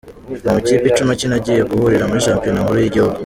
Amakipe icumi akina agiye guhurira muri Shampiyona nkuru yigihugu